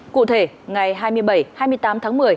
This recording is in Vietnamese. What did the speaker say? cụ thể ngày hai mươi hai tháng một mươi